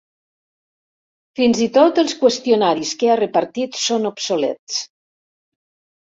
Fins i tot els qüestionaris que ha repartit són obsolets.